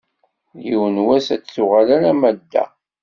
Yiwen n wass ad d-tuɣal alamma d da.